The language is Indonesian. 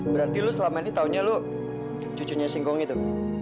berarti lu selama ini taunya lu cucunya singkong itu